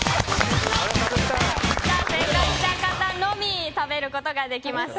正解した方のみ食べることができます。